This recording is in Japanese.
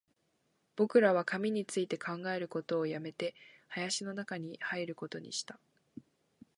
僕らは紙について考えることを止めて、林の中に入ることにした